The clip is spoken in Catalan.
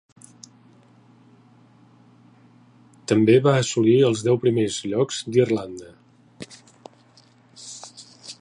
També va assolir els deu primers llocs d'Irlanda.